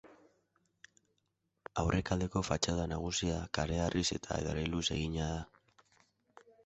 Aurrealdeko fatxada nagusia kareharriz eta adreiluz egina da.